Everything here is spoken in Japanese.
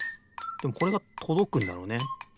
でもこれがとどくんだろうね。